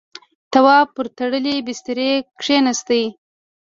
تواب پر تړلی بسترې کېناست.